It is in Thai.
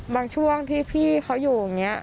ช่วงที่พี่เขาอยู่อย่างนี้